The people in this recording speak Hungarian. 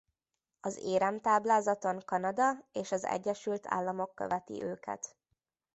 Az éremtáblázaton Kanada és az Egyesült Államok követi őket.